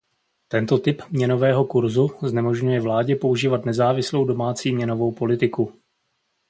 Tento typ měnového kurzu znemožňuje vládě používat nezávislou domácí měnovou politiku.